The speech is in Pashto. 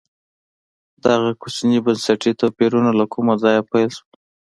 دغه کوچني بنسټي توپیرونه له کومه ځایه پیل شول.